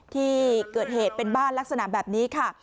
ที่เกิดเหตุเป็นบ้านลักษณะแบบนี้ค่ะ